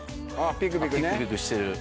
ピクピクしてる。